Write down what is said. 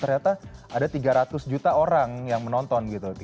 ternyata ada tiga ratus juta orang yang menonton